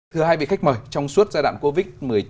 thưa hai vị khách mời trong suốt giai đoạn covid một mươi chín